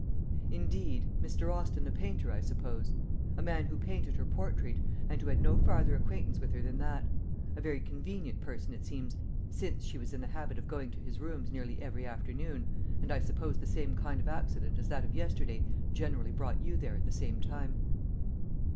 "Indeed! Mr. Austin the painter, I suppose? a man who painted her portrait, and who had no farther acquaintance with her than that. A very convenient person, it seems, since she was in the habit of going to his rooms nearly every afternoon; and I suppose the same kind of accident as that of yesterday generally brought you there at the same time."